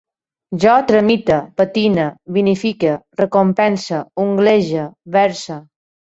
Jo tramite, patine, vinifique, recompense, unglege, verse